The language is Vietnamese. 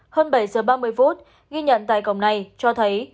hơn bảy giờ ba mươi phút ghi nhận tại cổng này cho thấy